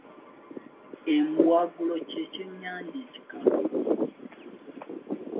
Embwagulo kye kyennyanja ekikalu.